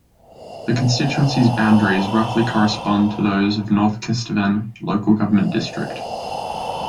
The constituency's boundaries roughly correspond to those of North Kesteven local government district.